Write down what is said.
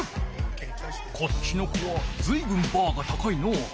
こっちの子はずいぶんバーが高いのう。